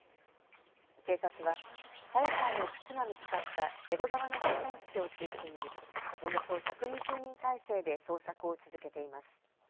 警察は朝芽さんの靴が見つかった江戸川の河川敷を中心におよそ１２０人態勢で捜索を続けています。